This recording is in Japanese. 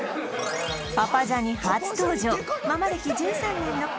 「パパジャニ」初登場